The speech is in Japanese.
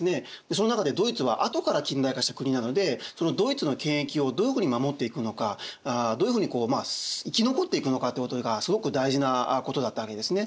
その中でドイツはあとから近代化した国なのでそのドイツの権益をどういうふうに守っていくのかどういうふうに生き残っていくのかということがすごく大事なことだったわけですね。